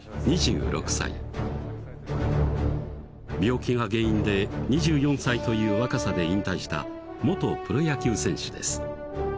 病気が原因で２４歳という若さで引退した元プロ野球選手です